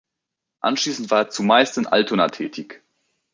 Anschließend war er zumeist in Altona tätig.